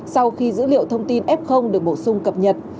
sau khi dữ liệu thông tin f được bổ sung cập nhật